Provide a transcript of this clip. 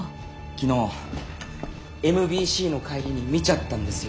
昨日ＭＢＣの帰りに見ちゃったんですよ。